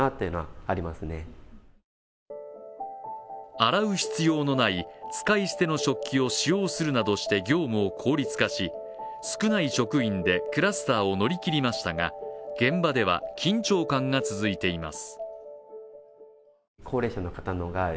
洗う必要のない使い捨ての食器を使用するなどして業務を効率化し少ない職員でクラスターを乗り切りましたが、現場では緊張感が続いています。